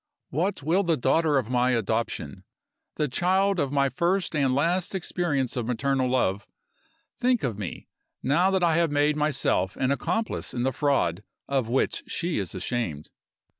What will the daughter of my adoption, the child of my first and last experience of maternal love, think of me, now that I have made myself an accomplice in the fraud of which she is ashamed?